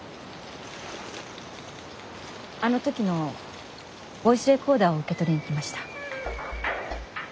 あの時のボイスレコーダーを受け取りに来ました。